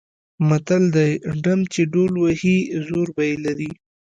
متل دی: ډم چې ډول وهي زور به یې لري.